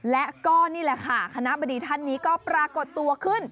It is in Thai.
และก็นี่แหละค่ะคณะบดีท่านนี้ก็ปรากฏตัวขึ้น